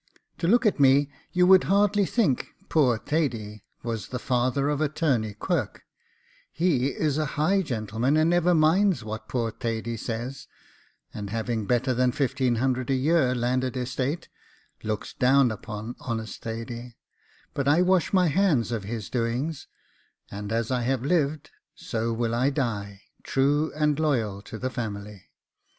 To look at me, you would hardly think "Poor Thady" was the father of Attorney Quirk; he is a high gentleman, and never minds what poor Thady says, and having better than fifteen hundred a year landed estate, looks down upon honest Thady; but I wash my hands of his doings, and as I have lived, so will I die, true and loyal to the family.